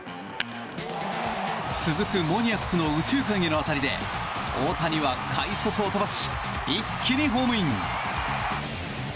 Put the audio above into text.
続くモニアックの右中間への当たりで大谷は快足を飛ばし一気にホームイン！